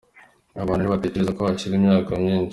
Abantu ntibategereze ko hashira imyaka myinshi.